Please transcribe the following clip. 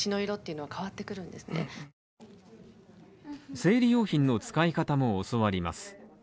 生理用品の使い方も教わります。